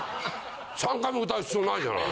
３回も歌う必要ないじゃない。